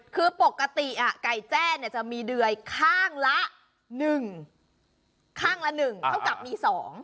คือปกติไก่แจ้จะมีเดื่อยข้างละ๑ข้างละ๑เท่ากับมี๒